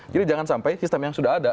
jadi jangan sampai sistem yang sudah ada